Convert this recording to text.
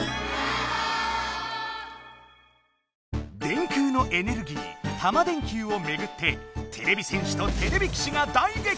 電空のエネルギータマ電Ｑをめぐっててれび戦士とてれび騎士が大げきとつ！